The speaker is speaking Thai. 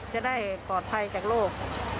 จะได้ปลอดภัยจากโรค